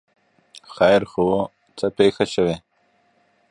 ـ خیر خو وو، څه پېښه شوې؟